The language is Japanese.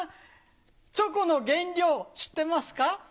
チョコの原料知ってますか？